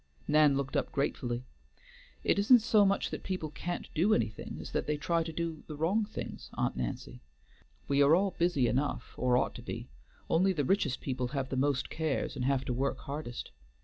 Nan looked up gratefully. "It isn't so much that people can't do anything, as that they try to do the wrong things, Aunt Nancy. We all are busy enough or ought to be; only the richest people have the most cares and have to work hardest.